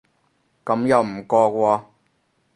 咁又唔覺喎